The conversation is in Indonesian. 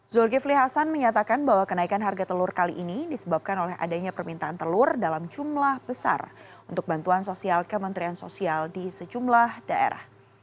zulkifli hasan menyatakan bahwa kenaikan harga telur kali ini disebabkan oleh adanya permintaan telur dalam jumlah besar untuk bantuan sosial kementerian sosial di sejumlah daerah